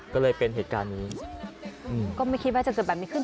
ก็เลยเป็นเหตุการณ์นี้ก็ไม่คิดว่าจะเกิดแบบนี้ขึ้น